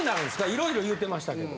いろいろ言うてましたけど。